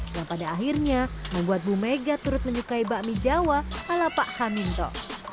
yang pada akhirnya membuat bu mega turut menyukai bakmi jawa ala pak haminto